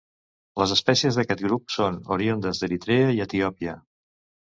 Les espècies d'aquest grup són oriündes d'Eritrea i Etiòpia.